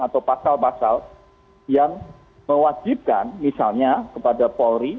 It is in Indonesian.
atau pasal pasal yang mewajibkan misalnya kepada polri